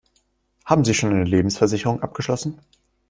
Haben Sie schon eine Lebensversicherung abgeschlossen?